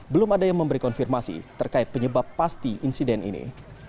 belum ada yang memberi konfirmasi terkait penyebab pasti insiden ini